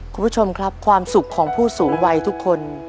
คุณผู้ชมครับความสุขของผู้สูงวัยทุกคน